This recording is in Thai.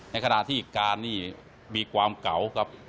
ในขณะที่การนี่มีความเก่าครับ